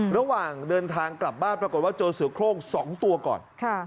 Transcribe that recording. ระหว่างเดินทางกลับบ้านปรากฏว่าเจอเสือโครง๒ตัวก่อน